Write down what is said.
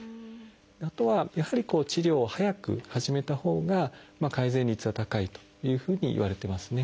あとはやはり治療を早く始めたほうが改善率は高いというふうにいわれてますね。